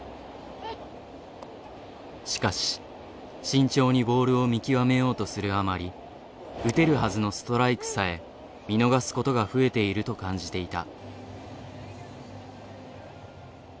しかし慎重にボールを見極めようとするあまり打てるはずのストライクさえ見逃すことが増えていると感じていた。